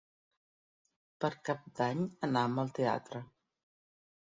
Per Cap d'Any anam al teatre.